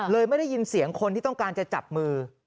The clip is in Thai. ไม่ได้ยินเสียงคนที่ต้องการจะจับมือ